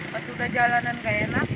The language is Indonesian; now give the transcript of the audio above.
pas udah jalanan gak enak